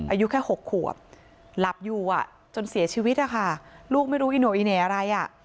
อายุแค่๖ขัวหลับอยู่จนเสียชีวิตลูกไม่รู้อีหนูอีแหน่อะไร